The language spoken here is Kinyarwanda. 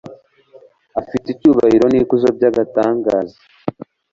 afite icyubahiro n'ikuzo by'agatangaza